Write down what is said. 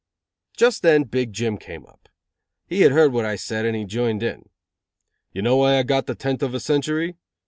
Just then Big Jim came up. He had heard what I said and he joined in: "You know why I got the tenth of a century?